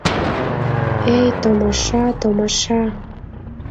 Эй, томаша! томаша!